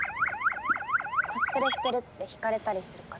コスプレしてるって引かれたりするから。